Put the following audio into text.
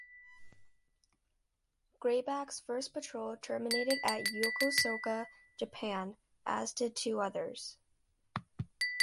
"Grayback"s first patrol terminated at Yokosuka, Japan, as did two others.